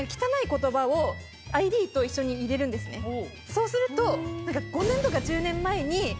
そうすると。